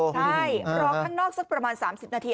ใช่รอข้างนอกสักประมาณ๓๐นาที